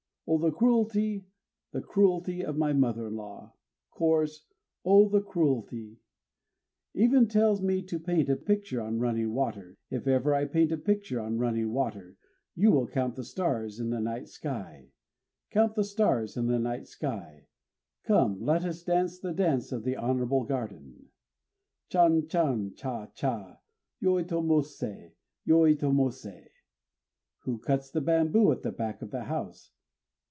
Oh! the cruelty, the cruelty of my mother in law! (Chorus) Oh! the cruelty! Even tells me to paint a picture on running water! If ever I paint a picture on running water, You will count the stars in the night sky! Count the stars in the night sky! Come! let us dance the Dance of the Honorable Garden! Chan chan! Cha cha! Yoitomosé, Yoitomosé! Who cuts the bamboo at the back of the house?